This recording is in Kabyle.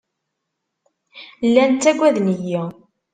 Llan ttagaden-iyi.